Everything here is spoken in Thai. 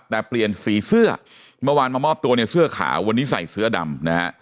แต่เปลี่ยนสีเสื้อเมื่อวานมามอบตัวในเสื้อขาววันนี้ใส่เสื้อดำนะฮะ